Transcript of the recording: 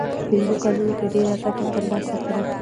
په پنځو کلونو کې ډېره ګټه ترلاسه کړه.